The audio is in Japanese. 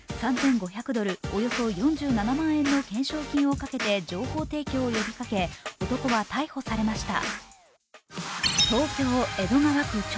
３５００ドル、およそ４７万円の懸賞金をかけて情報提供を呼びかけ、男は逮捕されました。